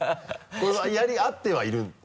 これは合ってはいる？